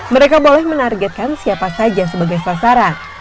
mereka boleh menargetkan siapa saja sebagai sasaran